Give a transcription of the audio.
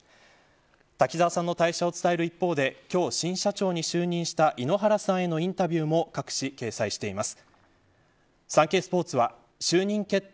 滝沢さんの退社を伝える一方で今日、新社長に就任した井ノ原さんへのインタビューも各誌掲載しています。